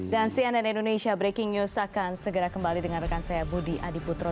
dan cnn indonesia breaking news akan segera kembali dengan rekan saya budi adiputro